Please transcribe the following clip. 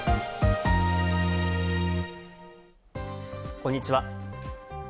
こんにちは。